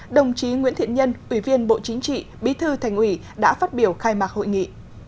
đồng chí nguyễn thiện nhân ủy viên bộ chính trị bí thư thành ủy đã phát biểu khai mạc hội nghị